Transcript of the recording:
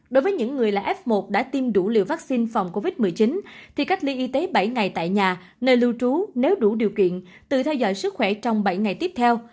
đối với những người là f một đã tiêm đủ liều vaccine phòng covid một mươi chín thì cách ly y tế bảy ngày tại nhà nơi lưu trú nếu đủ điều kiện tự theo dõi sức khỏe trong bảy ngày tiếp theo